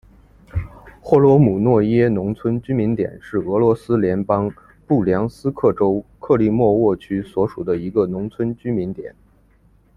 霍罗姆诺耶农村居民点是俄罗斯联邦布良斯克州克利莫沃区所属的一个农村居民点。